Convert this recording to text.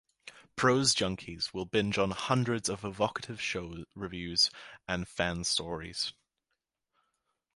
Prose junkies will binge on hundreds of evocative show reviews and fan stories.